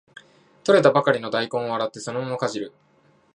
採れたばかりの大根を洗ってそのままかじる